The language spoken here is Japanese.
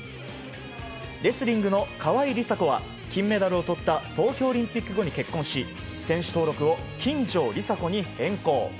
レスリングの川井梨紗子は金メダルをとった東京オリンピック後に結婚し選手登録を金城梨紗子に変更。